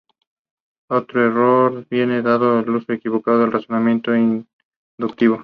Otro error viene dado por el uso equivocado del razonamiento inductivo.